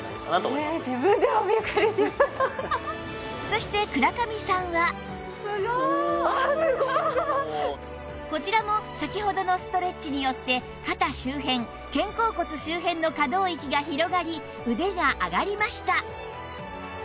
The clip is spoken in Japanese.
そしてこちらも先ほどのストレッチによって肩周辺肩甲骨周辺の可動域が広がり腕が上がりました